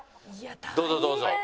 どうぞどうぞ。